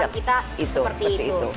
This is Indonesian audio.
harapan kita seperti itu